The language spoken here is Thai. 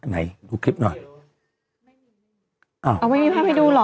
ไหนดูคลิปหน่อยเอ่อเอาไว้เอาให้ดูหรอ